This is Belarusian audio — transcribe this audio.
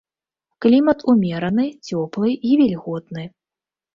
Клімат умераны, цёплы і вільготны.